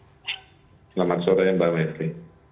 selamat sore mbak mery